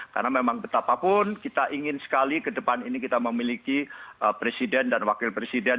karena memang betapapun kita ingin sekali ke depan ini kita memiliki presiden dan wakil presiden